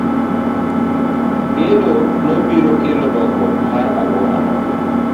Gedo no biro kelo dongruok mar alworano.